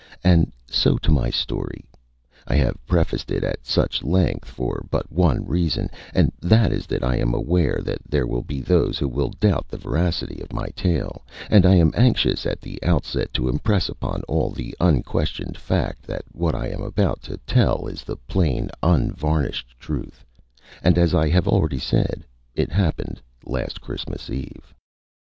And so to my story. I have prefaced it at such length for but one reason, and that is that I am aware that there will be those who will doubt the veracity of my tale, and I am anxious at the outset to impress upon all the unquestioned fact that what I am about to tell is the plain, unvarnished truth, and, as I have already said, it happened last Christmas Eve.